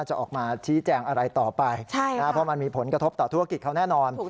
จะออกมาชี้แจงอะไรต่อไปเพราะมันมีผลกระทบต่อธุรกิจเขาแน่นอน